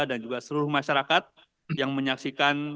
dan juga seluruh masyarakat yang menyaksikan